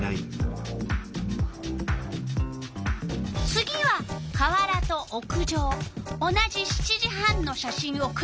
次は川原と屋上同じ７時半の写真をくらべるわよ。